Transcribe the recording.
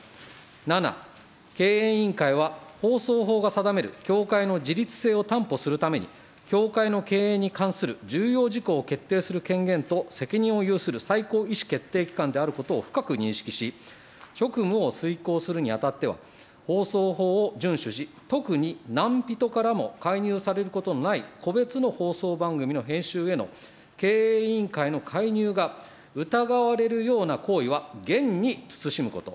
７、経営委員会は放送法が定める協会の自律性を担保するために、協会の経営に関する重要事項を決定する権限と責任を有する最高意思決定機関であることを深く認識し、職務を遂行するにあたっては、放送法を順守し、特に何人からも介入されることのない、個別の放送番組の編集への経営委員会の介入が疑われるような行為は厳に慎むこと。